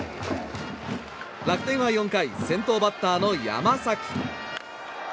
楽天は４回先頭バッターの山崎。